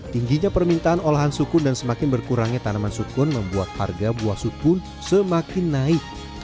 tingginya permintaan olahan sukun dan semakin berkurangnya tanaman sukun membuat harga buah sukun semakin naik